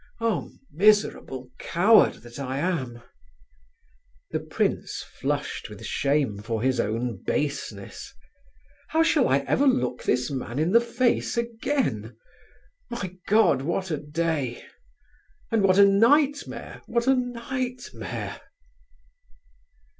Oh, miserable coward that I am!" The prince flushed with shame for his own baseness. "How shall I ever look this man in the face again? My God, what a day! And what a nightmare, what a nightmare!"